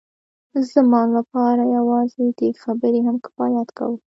زما لپاره یوازې دې خبرې هم کفایت کاوه